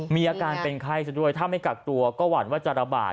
มีอาการเป็นไข้ซะด้วยถ้าไม่กักตัวก็หวั่นว่าจะระบาด